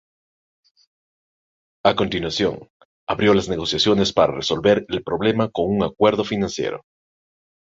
A continuación, abrió las negociaciones para resolver el problema con un acuerdo financiero.